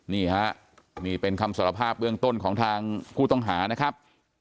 นี่ฮะนี่เป็นคำสารภาพเบื้องต้นของทางผู้ต้องหานะครับ